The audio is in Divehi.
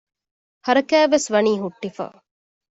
ހަރާކާތްވެސް ވަނީ ހުއްޓިފަ